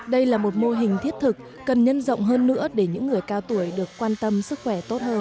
đây là một mô hình thiết thực cần nhân rộng hơn nữa để những người cao tuổi được quan tâm sức khỏe tốt hơn